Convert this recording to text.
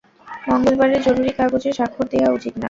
মঙ্গলবারে জরুরী কাগজে স্বাক্ষর দেয়া উচিত না।